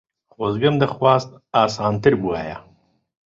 خۆزگەم دەخواست ئاسانتر بووایە.